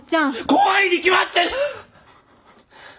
怖いに決まって！